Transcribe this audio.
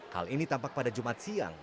hal ini tampak pada jumat siang